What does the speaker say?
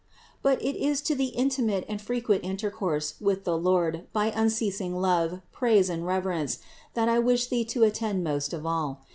583. But it is to the intimate and frequent intercourse with the Lord by unceasing love, praise and reverence, that I wish thee to attend most of all.